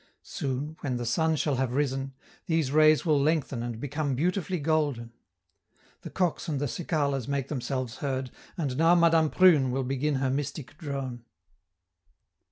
Soon, when the sun shall have risen, these rays will lengthen and become beautifully golden. The cocks and the cicalas make themselves heard, and now Madame Prune will begin her mystic drone.